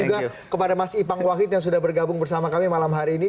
juga kepada mas ipang wahid yang sudah bergabung bersama kami malam hari ini